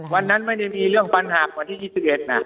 วันนั้นไม่ได้มีเรื่องฟันหักวันที่๒๑นะ